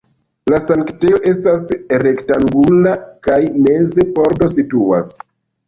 La sanktejo estas rektangula kaj meze pordo situas.